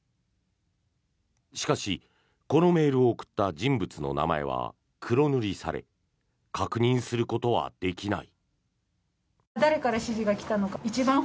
しかし、このメールを送った人物の名前は黒塗りされ確認することはできない。